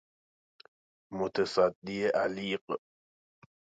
متصدی علیق